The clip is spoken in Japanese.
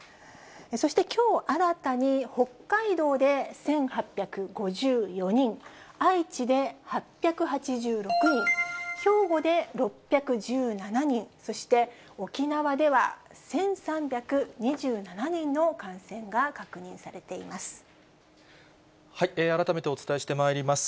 そしてきょう新たに、北海道で１８５４人、愛知で８８６人、兵庫で６１７人、そして沖縄では１３２７人の感染が確認されています。